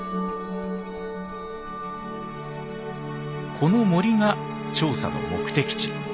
この森が調査の目的地。